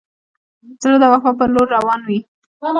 زړه د وفا پر لور روان وي.